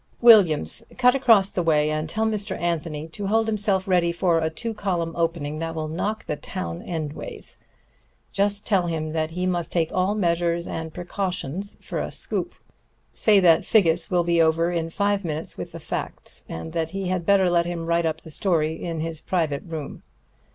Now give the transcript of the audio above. Williams, cut across the way and tell Mr. Anthony to hold himself ready for a two column opening that will knock the town endways. Just tell him that he must take all measures and precautions for a scoop. Say that Figgis will be over in five minutes with the facts, and that he had better let him write up the story in his private room.